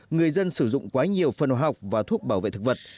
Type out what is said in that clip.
người dân sử dụng quá nhiều phần hóa học và thuốc bảo vệ thực vật